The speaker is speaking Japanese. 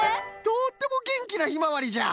とってもげんきなヒマワリじゃ！